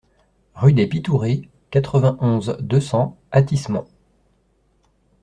Rue des Pitourées, quatre-vingt-onze, deux cents Athis-Mons